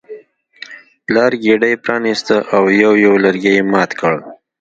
پلار ګېډۍ پرانیسته او یو یو لرګی یې مات کړ.